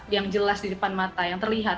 yang jelas di depan mata yang terlihat